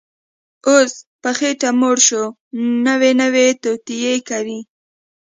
اوس په خېټه موړ شو، نوې نوې توطیې کوي